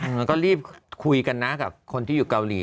มันก็รีบคุยกันนะกับคนที่อยู่เกาหลี